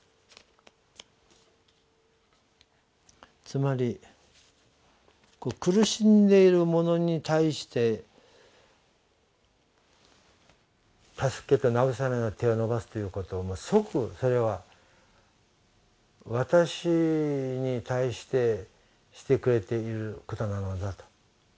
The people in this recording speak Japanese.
つまり苦しんでいる者に対して助けて慰めの手を伸ばすということ即それは私に対してしてくれていることなのだと。